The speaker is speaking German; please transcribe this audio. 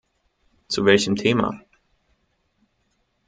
Zu welchem Thema?